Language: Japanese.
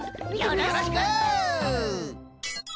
よろしく！